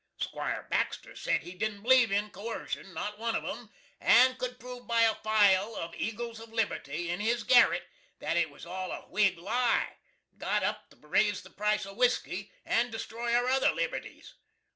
'Squire Baxter sed he didn't b'lieve in Coercion, not one of 'em, and could prove by a file of "Eagles of Liberty" in his garrit, that it was all a Whig lie, got up to raise the price of whisky and destroy our other liberties.